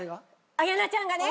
綾菜ちゃんがね。